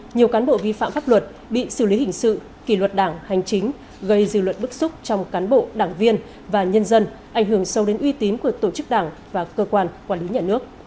nhiều cán bộ vi phạm pháp luật bị xử lý hình sự kỳ luật đảng hành chính gây dư luận bức xúc trong cán bộ đảng viên và nhân dân ảnh hưởng sâu đến uy tín của tổ chức đảng và cơ quan quản lý nhà nước